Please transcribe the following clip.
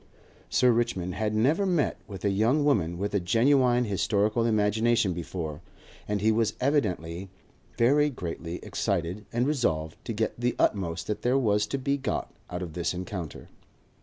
Sir Richmond had never met with a young woman with a genuine historical imagination before, and he was evidently very greatly excited and resolved to get the utmost that there was to be got out of this encounter.